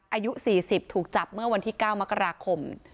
อายุ๔๐ถูกจับเมื่อวันที่๙มกราคม